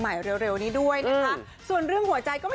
เร็วเร็วนี้ด้วยนะคะส่วนเรื่องหัวใจก็ไม่